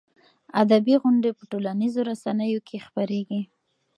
ادبي غونډې په ټولنیزو رسنیو کې خپرېږي.